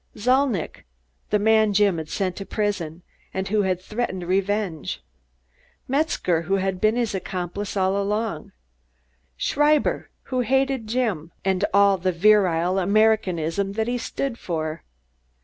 Zalnitch! The man Jim had sent to prison and who had threatened revenge. Metzger, who had been his accomplice all along. Schreiber, who hated Jim and all the virile Americanism that he stood for.